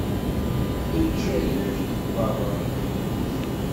Eǧǧ aydi deg beṛṛa.